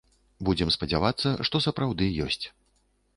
Будзем спадзявацца, што сапраўды ёсць.